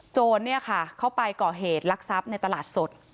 โจรเนี่ยค่ะเข้าไปก่อเหตุลักษัตริย์ในตลาดสด